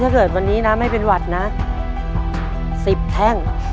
เสียงใครวะ